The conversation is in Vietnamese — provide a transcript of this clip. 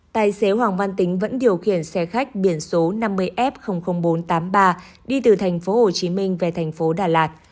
tài xế hoàng văn tính vẫn điều khiển xe khách biển số năm mươi f bốn trăm tám mươi ba đi từ thành phố hồ chí minh về thành phố đà lạt